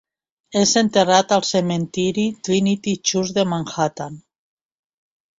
És enterrat al cementiri Trinity Church de Manhattan.